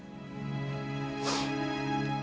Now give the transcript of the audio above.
gara gara pakaian ini